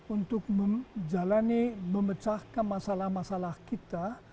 untuk menjalani memecahkan masalah masalah kita